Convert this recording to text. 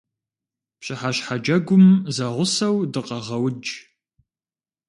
Пщыхьэщхьэ джэгум зэгъусэу дыкъэгъэудж.